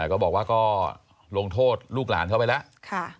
ก็บอกว่าก็ลงโทษลูกหลานเข้าไปแล้ว